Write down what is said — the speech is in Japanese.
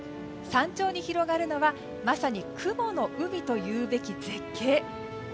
山頂に広がるのはまさに雲の海というべき絶景。